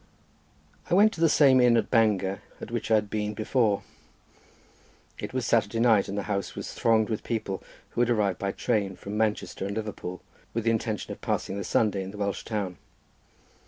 I went to the same inn at Bangor at which I had been before. It was Saturday night and the house was thronged with people, who had arrived by train from Manchester and Liverpool, with the intention of passing the Sunday in the Welsh town.